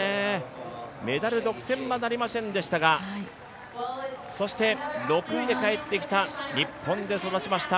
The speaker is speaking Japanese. メダル独占はなりませんでしたが、そして６位で帰ってきた日本で育ちました